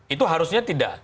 itu harusnya tidak